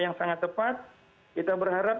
yang sangat tepat kita berharap